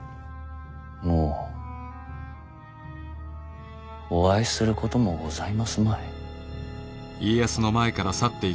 もうお会いすることもございますまい。